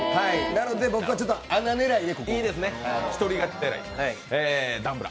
なので、僕は穴狙いで。